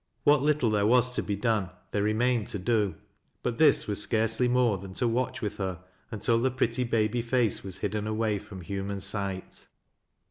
What little there was to be done, they remained to do. But this was scarcely more than to watch with her until the pretty baby face was hidden away from human sight.